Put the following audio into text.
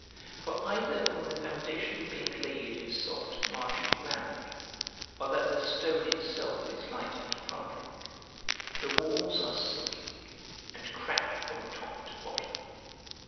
For either from the foundation being laid in soft, marshy ground, or that the stone itself is light and crumbling, the walls are sinking, and cracked from top to bottom.